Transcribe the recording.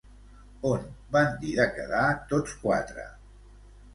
On van dir de quedar tots quatre?